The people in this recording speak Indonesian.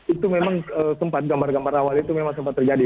itu memang sempat gambar gambar awal itu memang sempat terjadi